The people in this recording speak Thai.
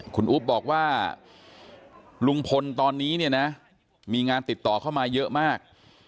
คุณอุ๊บบอกว่าลุงพลตอนนี้เนี่ยนะมีงานติดต่อเข้ามาเยอะมาก